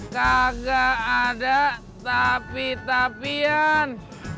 kaga ada tapi tapian